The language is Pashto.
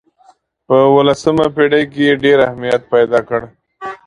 په اولسمه پېړۍ کې یې ډېر اهمیت پیدا کړ.